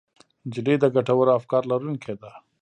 نجلۍ د ګټورو افکارو لرونکې ده.